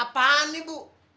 apaan nih bu